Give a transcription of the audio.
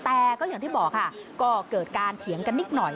แต่ก็อย่างที่บอกค่ะก็เกิดการเถียงกันนิดหน่อย